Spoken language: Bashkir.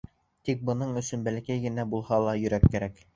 Тик бының өсөн бәләкәй генә булһа ла йөрәк кәрәк!